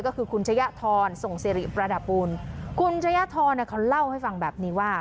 ก็คือคุณชะยะทรส่งสิริประดับบูลคุณชะยะทรเขาเล่าให้ฟังแบบนี้ว่า